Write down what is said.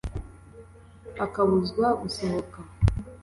akabuzwa gusohoka